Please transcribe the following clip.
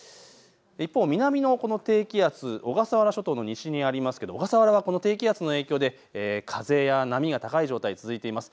一方、南の低気圧、小笠原諸島の西にありますけど小笠原はこの低気圧の影響で風や波が高い状態、続いています。